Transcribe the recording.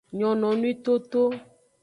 Nyononwi toto.